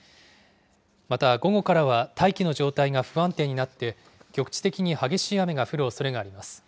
また、午後からは大気の状態が不安定になって、局地的に激しい雨が降るおそれがあります。